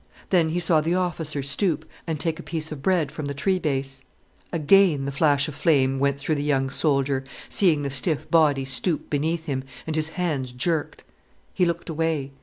Then he saw the officer stoop and take a piece of bread from the tree base. Again the flash of flame went through the young soldier, seeing the stiff body stoop beneath him, and his hands jerked. He looked away.